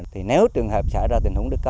thì nếu trường hợp xảy ra tình huống